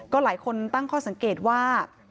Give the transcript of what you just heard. ก็หลายคนตั้งข้อสังเกตว่า